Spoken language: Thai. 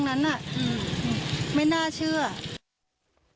โชว์บ้านในพื้นที่เขารู้สึกยังไงกับเรื่องที่เกิดขึ้น